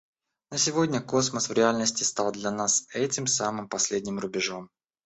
Но сегодня космос в реальности стал для нас этим самым последним рубежом.